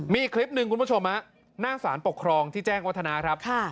มีอีกคลิปหนึ่งคุณผู้ชมหน้าสารปกครองที่แจ้งวัฒนาครับ